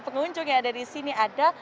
pengunjung yang ada di sini ada